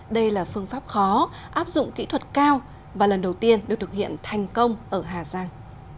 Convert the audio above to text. đây là phương pháp khó áp dụng kỹ thuật cao và lần đầu tiên được thực hiện thành công ở hà giang